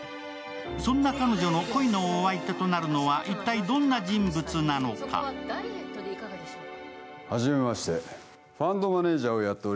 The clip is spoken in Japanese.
そんな彼女の恋のお相手となるのは一体どんな人物なのでしょうか。